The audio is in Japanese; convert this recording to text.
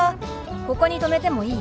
ここに止めてもいい？